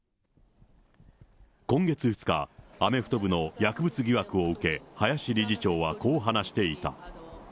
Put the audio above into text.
今月２日、アメフト部の薬物疑惑を受け、林理事長はこう話していた。